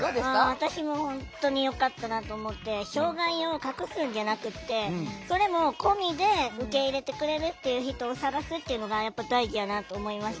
障害を隠すんじゃなくてそれも込みで受け入れてくれるっていう人を探すっていうのがやっぱ大事やなと思いました。